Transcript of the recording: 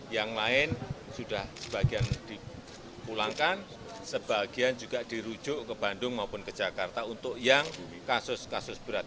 yang lain sudah sebagian dipulangkan sebagian juga dirujuk ke bandung maupun ke jakarta untuk yang kasus kasus berat